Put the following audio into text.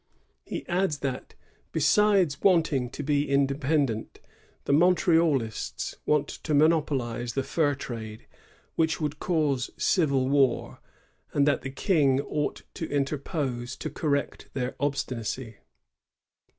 "^ He adds that, besides wanting to be independent, the Montiealists want to monopolize the fur trade, which would cause civil war; and that the King ought to interpose to correct their obstinacy.